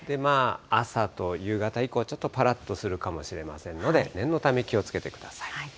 朝と夕方以降はちょっとぱらっとするかもしれませんので、念のため気をつけてください。